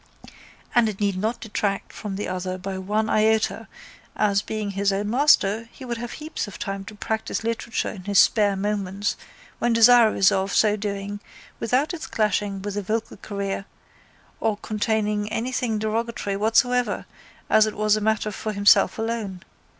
And it need not detract from the other by one iota as, being his own master, he would have heaps of time to practise literature in his spare moments when desirous of so doing without its clashing with his vocal career or containing anything derogatory whatsoever as it was a matter for himself alone.